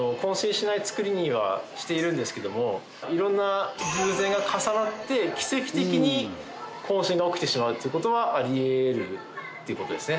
色んな偶然が重なって奇跡的に混線が起きてしまうってことはありえるっていうことですね。